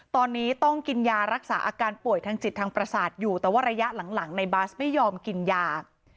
ตอนนี้ต้องกินยารักษาอาการป่วยทางจิตทางประสาทอยู่แต่ว่าระยะหลังในบาสไม่ยอมกินยา